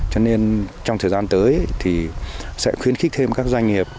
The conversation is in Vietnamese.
cho nên trong thời gian tới thì sẽ khuyến khích thêm các doanh nghiệp